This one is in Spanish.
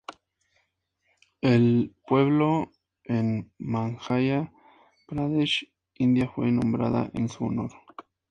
El pueblo en Madhya Pradesh, India fue nombrada en su honor.